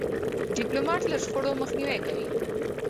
ډيپلومات له شخړو مخنیوی کوي.